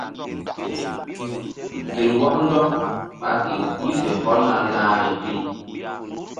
Gel wɔk ndɔk ɓa gel i fe hɔlna nahri pi.